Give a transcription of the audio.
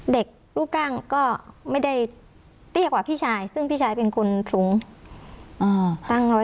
รูปร่างก็ไม่ได้เตี้ยกว่าพี่ชายซึ่งพี่ชายเป็นคนสูงตั้งร้อย